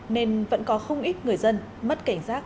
nên vẫn có không ít người dân mất cảnh giác